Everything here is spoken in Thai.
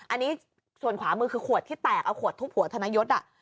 อันนี้ส่วนขวามือคือขวดที่แตกเอาขวดทุบหัวธนยศ